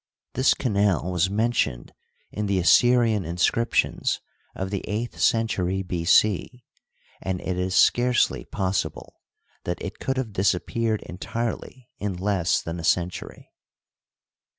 This canal was mentioned in the Assyrian inscriptions of the eighth century B. C, and it is scarcely possible that it could have disappeared entirely in less than a century.